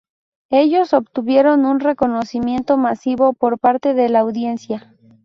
Ellos obtuvieron un reconocimiento masivo, por parte de la audiencia.